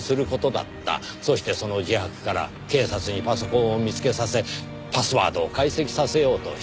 そしてその自白から警察にパソコンを見つけさせパスワードを解析させようとした。